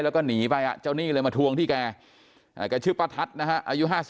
แล้วก็หนีไปเจ้าหนี้เลยมาทวงที่แกแกชื่อป้าทัศน์นะฮะอายุ๕๐